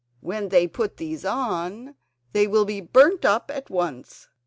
When they put these on they will be burnt up at once.